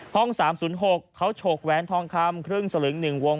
๓๐๖เขาฉกแหวนทองคำครึ่งสลึง๑วง